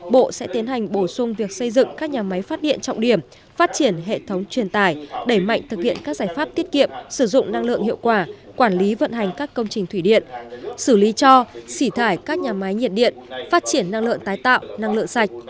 bộ sẽ tiến hành bổ sung việc xây dựng các nhà máy phát điện trọng điểm phát triển hệ thống truyền tải đẩy mạnh thực hiện các giải pháp tiết kiệm sử dụng năng lượng hiệu quả quản lý vận hành các công trình thủy điện xử lý cho xỉ thải các nhà máy nhiệt điện phát triển năng lượng tái tạo năng lượng sạch